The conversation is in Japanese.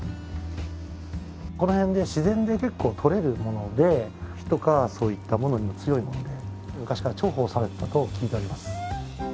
この辺で自然で結構とれるもので火とかそういったものにも強いもんで昔から重宝されていたと聞いております。